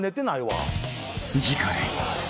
［次回］